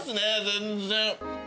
全然。